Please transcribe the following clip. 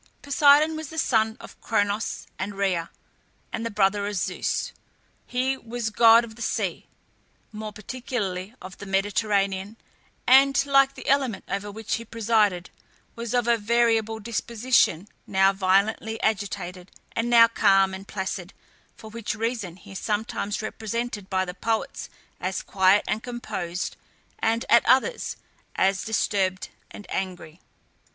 Poseidon was the son of Kronos and Rhea, and the brother of Zeus. He was god of the sea, more particularly of the Mediterranean, and, like the element over which he presided, was of a variable disposition, now violently agitated, and now calm and placid, for which reason he is sometimes represented by the poets as quiet and composed, and at others as disturbed and angry.